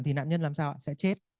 thì nạn nhân làm sao ạ sẽ chết